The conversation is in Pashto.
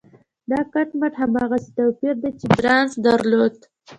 دا کټ مټ هماغسې توپير دی چې بارنس درلود.